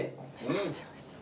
めっちゃおいしい。